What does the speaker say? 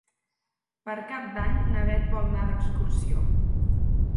Per Cap d'Any na Beth vol anar d'excursió.